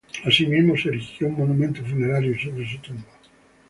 Asimismo se erigió un monumento funerario sobre su tumba.